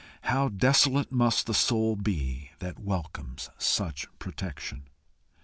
How desolate must the soul be that welcomes such protection!